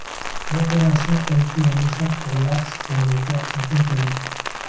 L'opération a été un échec pour l'Axe dont les pertes sont inconnues.